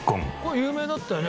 有名だったよね